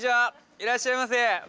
いらっしゃいませ！